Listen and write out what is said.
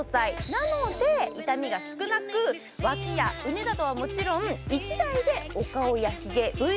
なので、痛みが少なく、脇や腕などはもちろん、１台でできます。